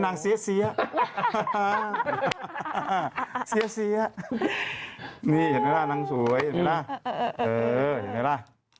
นางเสียเสียนี่เห็นไหมมั้ยล่ะนางสวยเห็นไหมล่ะ